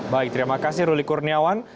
baik terima kasih ruli kurniawan